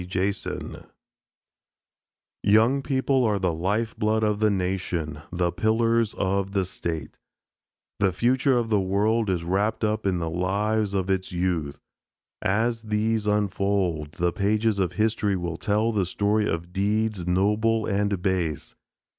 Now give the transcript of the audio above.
JASON Young people are the life blood of the nation, the pillars of the state. The future of the world is wrapped up in the lives of its youth. As these unfold, the pages of history will tell the story of deeds noble and base.